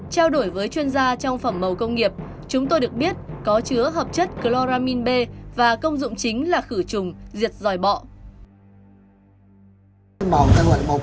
trao đổi với chuyên gia trong phẩm màu công nghiệp chúng tôi được biết có chứa hợp chất chloramin b và công dụng chính là khử phẩm